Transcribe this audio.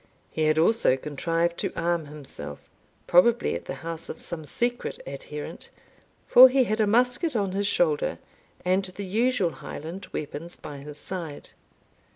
He had also contrived to arm himself, probably at the house of some secret adherent, for he had a musket on his shoulder, and the usual Highland weapons by his side.